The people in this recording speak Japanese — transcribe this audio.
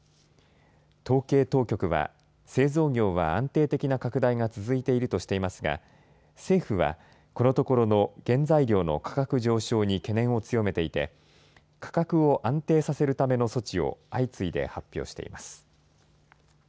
統計当局は製造業は安定的な拡大が続いているとしていますが政府はこのところの原材料の価格上昇に懸念を強めていて価格を安定させるための措置を相次いで発表しています。